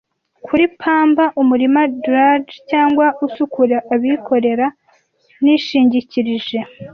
Kuri pamba-umurima drudge cyangwa usukura abikorera nishingikirije,